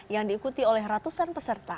yang diikuti oleh ratusan peserta